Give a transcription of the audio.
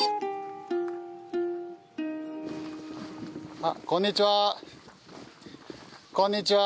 あっこんにちは。